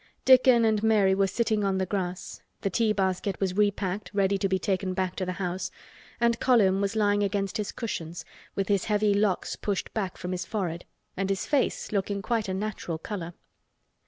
Dickon and Mary were sitting on the grass, the tea basket was repacked ready to be taken back to the house, and Colin was lying against his cushions with his heavy locks pushed back from his forehead and his face looking quite a natural color.